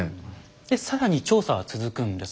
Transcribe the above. で更に調査は続くんです。